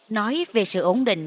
nói về sự ổn định